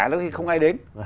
thì không ai đến